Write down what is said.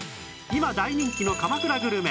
今大人気の鎌倉グルメ